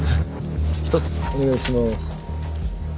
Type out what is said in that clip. ひとつお願いします。